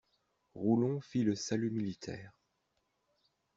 Roulon fit le salut militaire.